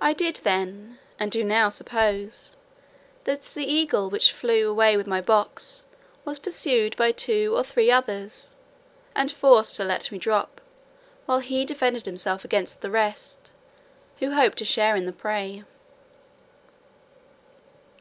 I did then, and do now suppose, that the eagle which flew away with my box was pursued by two or three others, and forced to let me drop, while he defended himself against the rest, who hoped to share in the prey.